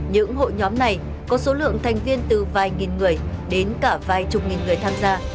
những hội nhóm này có số lượng thành viên từ vài nghìn người đến cả vài chục nghìn người tham gia